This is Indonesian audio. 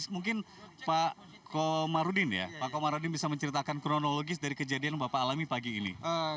mungkin pak komarudin ya pak komarudin bisa menceritakan kronologis dari kejadian yang bapak alami pagi ini